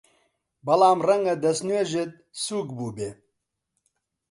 بەڵام ڕەنگە دەستنوێژت سووک بووبێ!